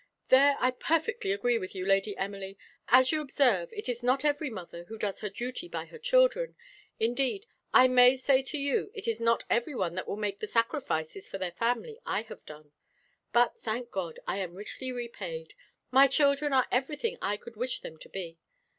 'There I perfectly agree with you, Lady Emily. As you observe, it is not every mother who does her duty by her children. Indeed, I may say to you, it is not everyone that will make the sacrifices for their family I have done; but thank God! I am richly repaid. My children are everything I could wish them to be!'